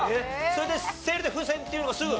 それでセールで風船っていうのがすぐ。